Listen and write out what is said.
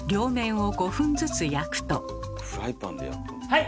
はい！